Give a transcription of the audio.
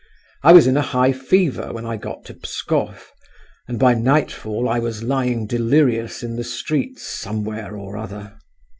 I was in a high fever when I got to Pskoff, and by nightfall I was lying delirious in the streets somewhere or other!"